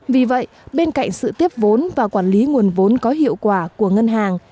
vì vậy bên cạnh sự tiếp vốn và quản lý nguồn vốn có hiệu quả của ngân hàng